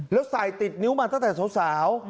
แล้วใส่ติดนิ้วมาตั้งแต่สาว